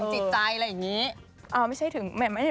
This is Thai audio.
หมายถึงจิตใจอะไรอย่างนี้